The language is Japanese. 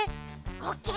オッケー！